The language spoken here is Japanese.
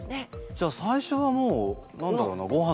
じゃあ最初はもう何だろうなあっ